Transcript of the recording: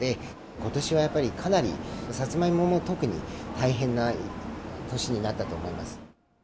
ことしはやっぱり、かなりサツマイモも特に大変な年になったと思います。